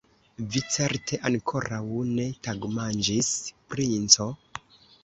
Vi certe ankoraŭ ne tagmanĝis, princo?